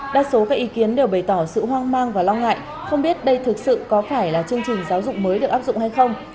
đa số các ý kiến đều bày tỏ sự hoang mang và lo ngại không biết đây thực sự có phải là chương trình giáo dục mới được áp dụng hay không